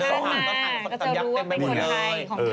จะรู้ว่าเป็นคนไทย